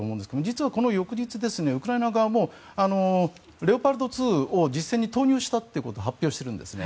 実はこの翌日、ウクライナ側もレオパルト２を実戦に投入したということを発表しているんですね。